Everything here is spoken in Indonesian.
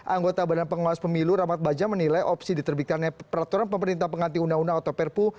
anggota badan pengawas pemilu rahmat baja menilai opsi diterbitkannya peraturan pemerintah pengganti undang undang atau perpu